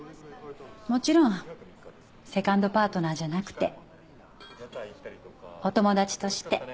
もちろんセカンドパートナーじゃなくてお友達として。